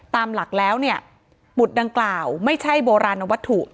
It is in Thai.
ตามหลักแล้วเนี่ยบุตรดังกล่าวไม่ใช่โบราณวัตถุ